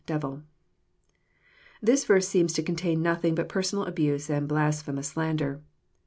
„dev1l.'] ThifiL verse seems to contain notthing bat personal abuse and blasphemous slander.